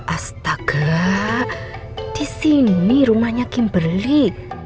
astaga disini rumahnya kimberly